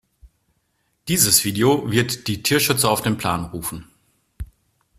Dieses Video wird die Tierschützer auf den Plan rufen.